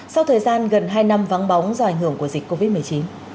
sau thời gian gần hai năm vắng bóng do ảnh hưởng của dịch covid một mươi chín